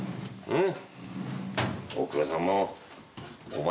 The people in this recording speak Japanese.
うん？